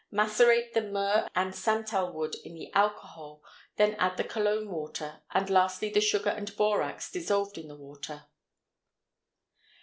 Macerate the myrrh and santal wood in the alcohol, then add the Cologne water, and lastly the sugar and borax dissolved in the water.